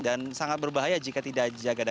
dan sangat berbahaya jika tidak dijaga